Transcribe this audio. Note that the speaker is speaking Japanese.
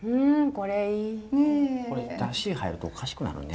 これだし入るとおかしくなるね？